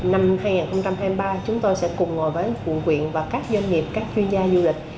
năm hai nghìn hai mươi ba chúng tôi sẽ cùng ngồi với quận quyện và các doanh nghiệp các chuyên gia du lịch